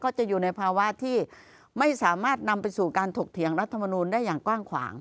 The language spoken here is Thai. จะอยู่ในภาวะที่ไม่สามารถนำไปสู่การถกเถียงรัฐมนูลได้อย่างกว้างขวาง